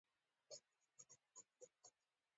د محصل لپاره د ځان پوهه مهمه ده.